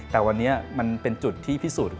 แต่วันนี้มันเป็นจุดที่พิสูจน์